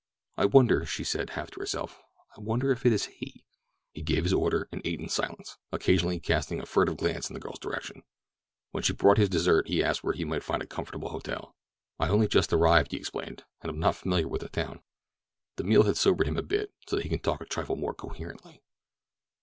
"I wonder," she said, half to herself. "I wonder if it is?" He gave his order and ate in silence, occasionally casting a furtive glance in the girl's direction. When she brought his dessert he asked where he might find a comfortable hotel. "I only just arrived," he explained, "and am not familiar with the town." The meal had sobered him a bit, so that he could talk a trifle more coherently.